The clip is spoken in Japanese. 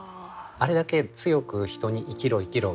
あれだけ強く人に生きろ生きろ